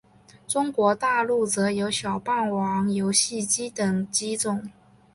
中国大陆则有小霸王游戏机等机种。